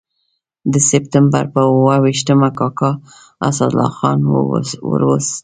د سپټمبر پر اووه ویشتمه کاکا اسدالله خان ور ووست.